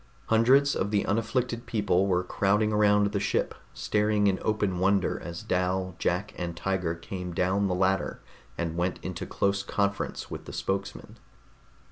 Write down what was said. Hundreds of the unafflicted people were crowding around the ship, staring in open wonder as Dal, Jack and Tiger came down the ladder and went into close conference with the spokesman.